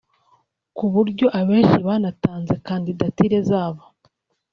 ku buryo abenshi banatanze kandidatire zabo